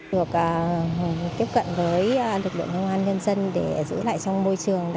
được tiếp cận với lực lượng công an nhân dân để giữ lại trong môi trường